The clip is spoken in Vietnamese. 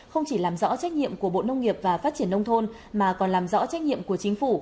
không chỉ làm rõ trách nhiệm của bộ nông nghiệp và phát triển nông thôn mà còn làm rõ trách nhiệm của chính phủ